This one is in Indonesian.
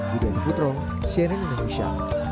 di dari putrong cnn indonesia